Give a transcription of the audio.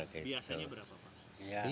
biasanya berapa pak